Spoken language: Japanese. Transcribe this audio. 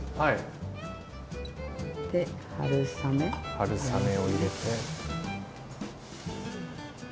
春雨を入れて。